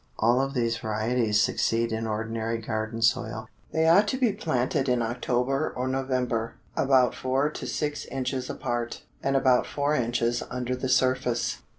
All of these varieties succeed in ordinary garden soil. They ought to be planted in October or November, about four to six inches apart, and about four inches under the surface.